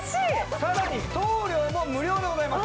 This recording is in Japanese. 更に送料も無料でございます。